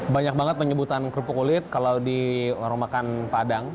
banyak banget penyebutan kerupuk kulit kalau di warung makan padang